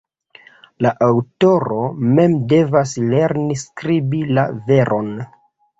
La aŭtoro mem devas lerni skribi la veron.